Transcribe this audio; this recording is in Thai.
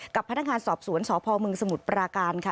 กับพนักงานสอบสวนสพมสมุทรปราการค่ะ